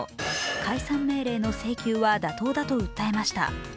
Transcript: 解散命令の請求は妥当だと訴えました。